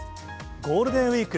ゴールデンウィーク。